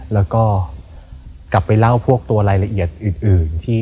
แล้วก็กลับไปเล่าพวกตัวรายละเอียดอื่น